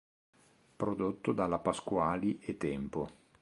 Prodotto dalla Pasquali e Tempo.